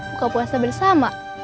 buka puasa bersama